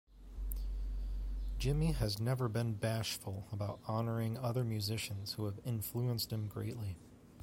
Jimmy has never been bashful about honoring other musicians who have influenced him greatly.